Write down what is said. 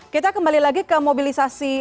kita kembali lagi ke mobilisasi